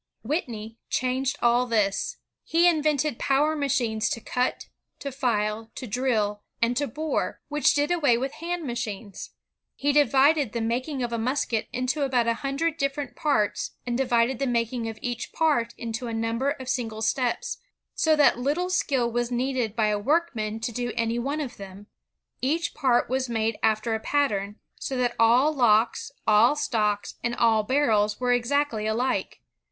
Whitney changed all this. He invented power machines to cut, to file, to drill, and to bore, which did away with hand machines. He divided the making of a musket into about a hundred different parts, and divided the making of each part into a number of single steps, so that little skill was needed by a workman to do any one of them. Each part was made after a pattern, so that all locks, all stocks, and all barrels were exactly alike.